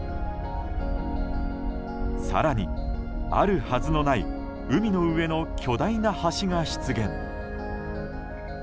更に、あるはずのない海の上の巨大な橋が出現。